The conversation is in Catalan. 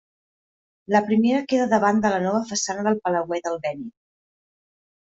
La primera queda davant de la nova façana del Palauet Albéniz.